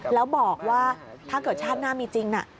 แล้วบอกว่าถ้าเกิดชาติหน้ามีจริงนะ